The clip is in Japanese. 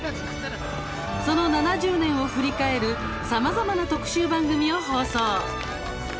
その７０年を振り返るさまざまな特集番組を放送。